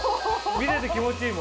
見てて気持ちいいもん。